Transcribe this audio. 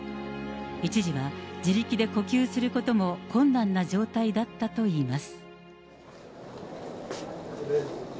一時は自力で呼吸することも困難な状態だったといいます。